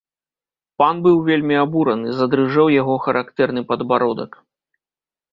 Пан быў вельмі абураны, задрыжэў яго характэрны падбародак.